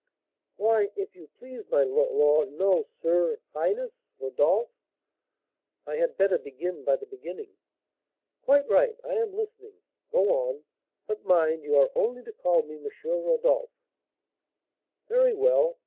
"Why, if you please, my lor no, sir highness Rodolph I had better begin by the beginning " "Quite right. I am listening, go on. But mind, you are only to call me M. Rodolph." "Very well.